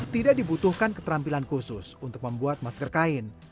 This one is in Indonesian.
tidak dibutuhkan keterampilan khusus untuk membuat masker kain